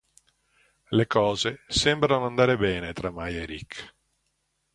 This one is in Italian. Le cose sembrano andare bene tra Maya e Rick.